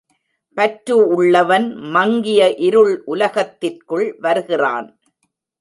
பற்று உள்ளவன் மங்கிய இருள் உலகத்திற்குள் வருகிறான்.